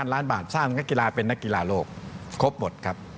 ล้านบาทสร้างนักกีฬาเป็นนักกีฬาโลกครบหมดครับ